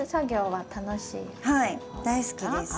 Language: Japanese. はい大好きです。